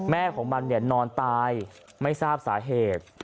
ของมันนอนตายไม่ทราบสาเหตุ